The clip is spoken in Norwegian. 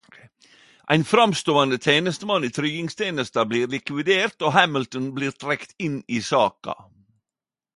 Ein framståande tenestemann i tryggingstenesta blir likvidert og Hamilton blir trekt inn i saka.